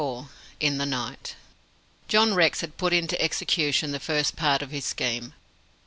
IN THE NIGHT. John Rex had put into execution the first part of his scheme.